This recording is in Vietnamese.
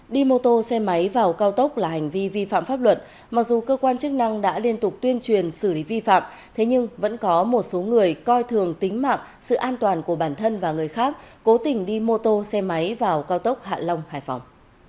đi mô tô xe máy vào cao tốc là hành vi vi phạm pháp luật mặc dù cơ quan chức năng đã liên tục tuyên truyền xử lý vi phạm thế nhưng vẫn có một số người coi thường tính mạng sự an toàn của bản thân và người khác cố tình đi mô tô xe máy vào cao tốc hạ long hải phòng